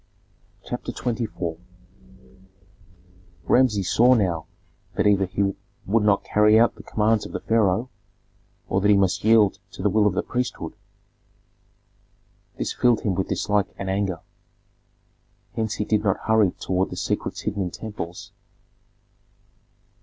CHAPTER XXIV Rameses saw now that either he would not carry out the commands of the pharaoh or that he must yield to the will of the priesthood; this filled him with dislike and anger. Hence he did not hurry toward the secrets hidden in temples.